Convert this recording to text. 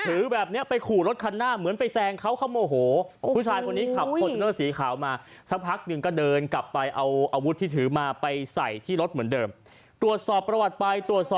แบบนี้ไปขู่รถคันหน้าเหมือนไปแซงเขาเขาโมโห